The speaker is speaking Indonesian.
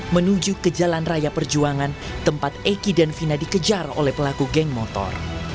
menuju ke jalan raya perjuangan tempat eki dan vina dikejar oleh pelaku geng motor